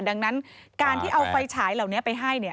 ดังนั้นการที่เอาไฟฉายเหล่านี้ไปให้